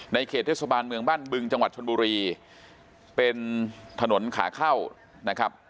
เขตเทศบาลเมืองบ้านบึงจังหวัดชนบุรีเป็นถนนขาเข้านะครับ